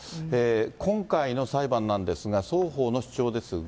今回の裁判なんですが、双方の主張ですが。